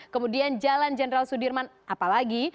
kemudian jalan jenderal sudirman apalagi